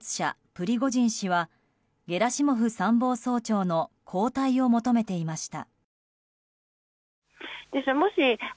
プリゴジン氏はゲラシモフ参謀総長の交代を求めていました。